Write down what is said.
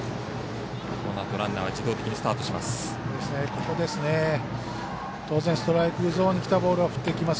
このあと、ランナー自動的にスタートしていきます。